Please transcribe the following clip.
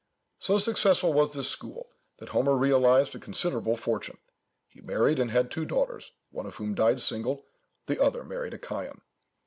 So successful was this school, that Homer realised a considerable fortune. He married, and had two daughters, one of whom died single, the other married a Chian.